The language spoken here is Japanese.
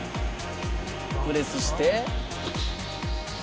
プレスして。